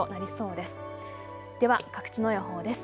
では各地の予報です。